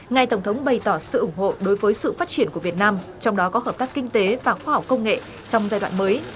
ngài tổng thống bày tỏ sự ủng hộ đối với sự phát triển của việt nam trong đó có hợp tác kinh tế và khoa học công nghệ trong giai đoạn mới